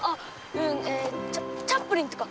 うんええチャップリンとか！